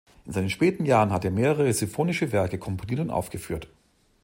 In seinen späten Jahren hat er mehrere sinfonische Werke komponiert und aufgeführt.